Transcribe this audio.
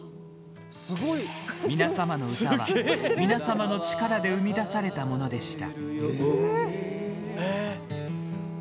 みなさまの歌は、みなさまの力で生み出されたものでした。